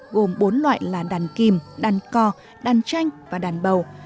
gồm bốn loại là đàn kim đàn co đàn tranh và đàn bầu